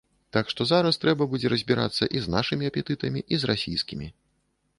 Так што зараз трэба будзе разбірацца і з нашымі апетытамі, і з расійскімі.